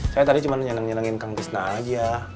saya tadi cuma nyeneng nyenengin kang bisna aja